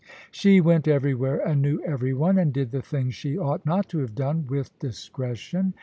She went everywhere and knew everyone, and did the things she ought not to have done, with discretion.